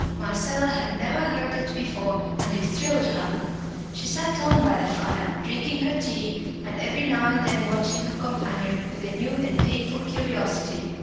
Marcella had never heard it before, and it thrilled her. She sat on by the fire, drinking her tea and every now and then watching her companion with a new and painful curiosity.